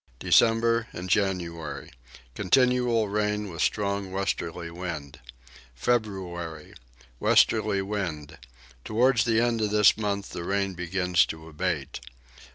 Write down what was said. December and January. Continual rain with strong westerly wind. February. Westerly wind. Towards the end of this month the rain begins to abate.